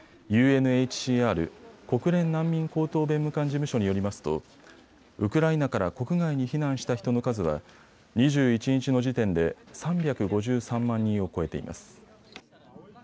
ＵＮＨＣＲ・国連難民高等弁務官事務所によりますとウクライナから国外に避難した人の数は２１日の時点で３５３万人を超えています。